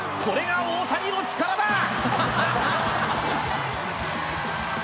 これが大谷の力だ！